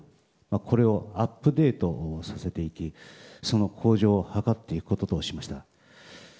これをアップデートさせていきその向上を図っていくこととしました。